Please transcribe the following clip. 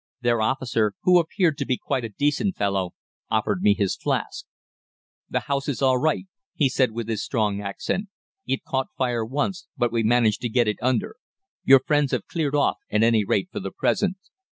Their officer, who appeared to be quite a decent fellow, offered me his flask. "'The house is all right,' he said, with his strong accent. 'It caught fire once, but we managed to get it under. Your friends have cleared off at any rate for the present.